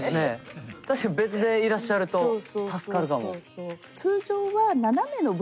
確かに別でいらっしゃると助かるかも。